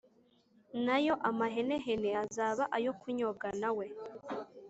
na yo amahenehene azaba ayo kunyobwa nawe,